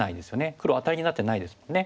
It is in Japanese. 黒アタリになってないですもんね。